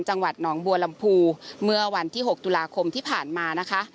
จังหวัดหนองบัวลำพูเมื่อวันที่๖ตุลาคมที่ผ่านมานะคะ